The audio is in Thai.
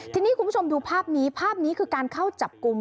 ทีนี้คุณผู้ชมดูภาพนี้ภาพนี้คือการเข้าจับกลุ่ม